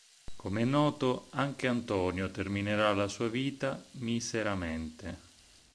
Come è noto, anche Antonio terminerà la sua vita miseramente.